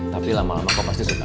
tapi lama lama kok pasti suka